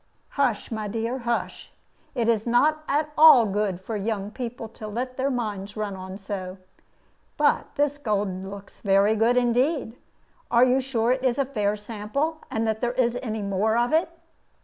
"Hush, my dear, hush! It is not at all good for young people to let their minds run on so. But this gold looks very good indeed. Are you sure that it is a fair sample, and that there is any more of it?"